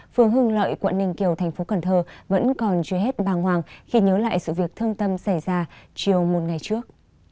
phường hưng lợi quận ninh kiều thành phố cần thơ vẫn còn chưa hết bàng hoàng khi nhớ lại sự việc thương tâm xảy ra chiều một ngày trước